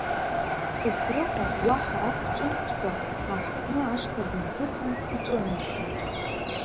Сасрыҟәа уаҳа ақәҿымҭкәа аҳҭны ашҭа дынҭыҵын иҿынеихеит.